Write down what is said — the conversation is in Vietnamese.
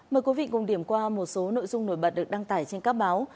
mời quý vị cùng điểm qua một số nội dung nổi bật được đăng tải trên các báo